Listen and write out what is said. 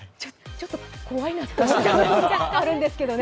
ちょっと怖いなというのがあるんですけどね。